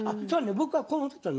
僕はこう思ってたの。